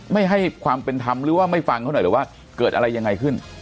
ไม่ให้ความเป็นธรรมหรือว่าไม่ฟังเขาหน่อยหรือว่าเกิดอะไรยังไงขึ้น